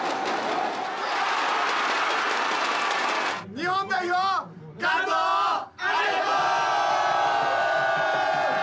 日本代表、感動をありがとう！